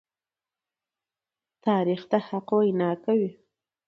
تاریخ د حق وینا کوي.